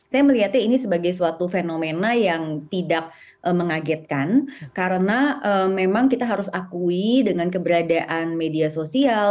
saya melihatnya ini sebagai suatu fenomena yang tidak mengagetkan karena memang kita harus akui dengan keberadaan media sosial